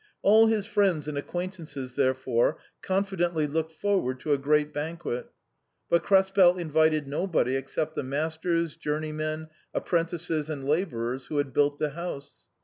All his friends and ac quaintances, therefore, confidently looked forward to a great banquet ; but Krespelr invited nobody except the masters, journeymen, apprentices, and labourers who had built the house.